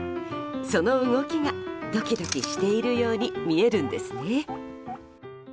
その動きがドキドキしているように見えるんですね。